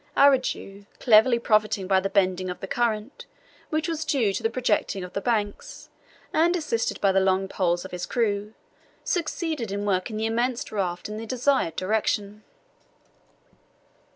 Araujo, cleverly profiting by the bendings of the current, which were due to the projections of the banks, and assisted by the long poles of his crew, succeeded in working the immense raft in the desired direction.